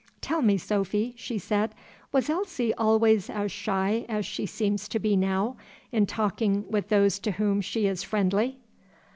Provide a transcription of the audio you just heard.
"Tell me, Sophy," she said, "was Elsie always as shy as she seems to be now, in talking with those to whom she is friendly?"